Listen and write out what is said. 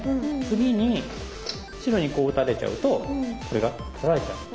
次に白にこう打たれちゃうとこれが取られちゃう。